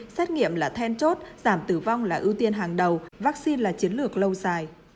xét nghiệm là then chốt giảm tử vong là ưu tiên hàng đầu vaccine là chiến lược lâu dài